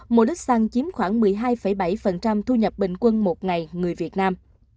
mua lít xăng chiếm khoảng một mươi hai bảy thu nhập bình quân một ngày người việt nam